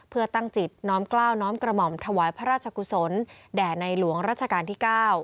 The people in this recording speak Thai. เพื่อตั้งจิตน้อมกล้าวน้อมกระหม่อมถวายพระราชกุศลแด่ในหลวงรัชกาลที่๙